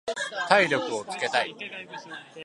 体力をつけたい。